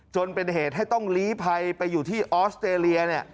จนเป็นเหตุให้ต้องลี้ภัยไปอยู่ที่ออสเตรเลีย